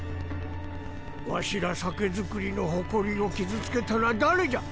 わしら酒造りの誇りを傷つけたのは誰じゃ？